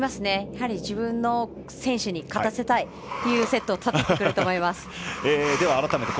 やはり自分の選手に勝たせたいっていうセットを立ててくると思います。